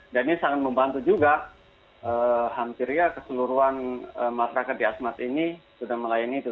dan ini sangat membantu juga hampir ya keseluruhan masyarakat di asmat ini sudah melayani itu